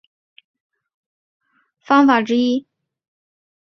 乡札是以汉字记录朝鲜语的方法之一。